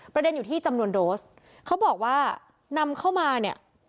ประเด็นอยู่ที่จำนวนโดสเขาบอกว่านำเข้ามาเนี่ย